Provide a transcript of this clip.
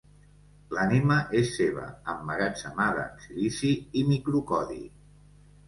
L'ànima és seva, emmagatzemada en silici i microcodi.